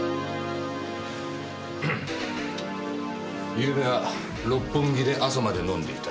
「ゆうべは六本木で朝まで飲んでいた」